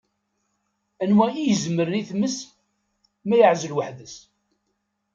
Anwa i yezemren i tmes, ma yeɛzel weḥd-s?